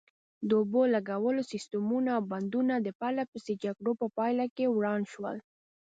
د اوبو لګولو سیسټمونه او بندونه د پرلپسې جګړو په پایله کې وران شول.